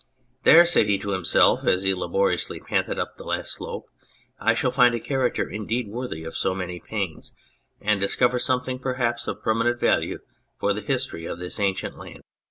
"There," said he to himself, as he laboriously panted up the last slope, " I shall find a character indeed worthy of so many pains, and discover something perhaps of permanent value for the history of this ancient land."